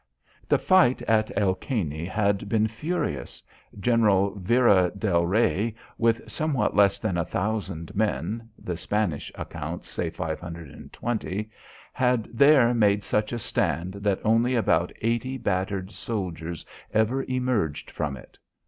The fight at El Caney had been furious. General Vera del Rey with somewhat less than 1000 men the Spanish accounts say 520 had there made such a stand that only about 80 battered soldiers ever emerged from it.